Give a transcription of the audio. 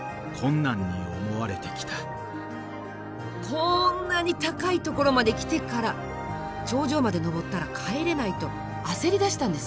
こんなに高いところまで来てから頂上まで登ったら帰れないと焦りだしたんです。